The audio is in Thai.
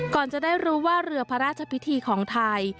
ก่อนจะได้รู้ว่าเรือพระราชพิธีของไทย